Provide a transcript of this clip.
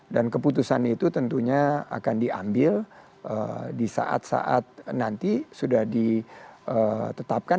dan keputusan itu tentunya akan diambil di saat saat nanti sudah ditetapkan